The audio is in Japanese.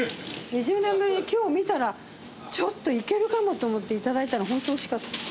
２０年ぶりに今日見たらちょっといけるかもと思って頂いたらホントおいしかった。